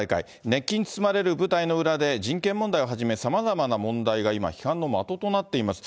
熱気に包まれる舞台の裏で、人権問題をはじめ、さまざまな問題が今、批判の的となっています。